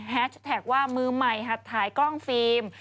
แท็กว่ามือใหม่หัดถ่ายกล้องฟิล์ม